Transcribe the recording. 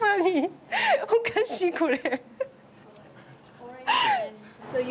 おかしいこれ！